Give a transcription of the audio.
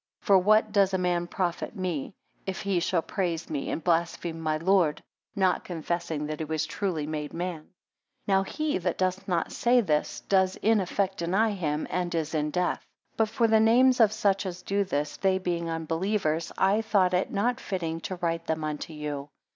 For what does a man profit me, if he shall praise me, and blaspheme my Lord; not confessing that he was truly made man? 10 Now he that doth not say this, does in effect deny him, and is in death. But for the names of such as do this, they being unbelievers, I thought it not fitting to write them unto you.